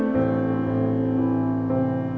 มิกัล